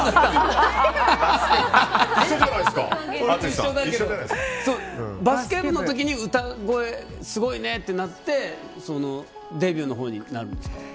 一緒だけど、バスケ部の時歌声すごいねってなってデビューのほうになるんですか？